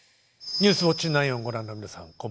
「ニュースウオッチ９」をご覧の皆さん